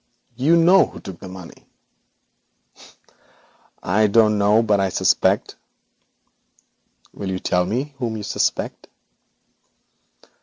You know who took the money.' 'I don't know, but I suspect.' 'Will you tell me whom you suspect?'